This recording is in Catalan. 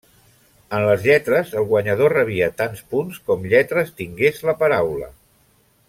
En les lletres, el guanyador rebia tants punts com lletres tingués la paraula.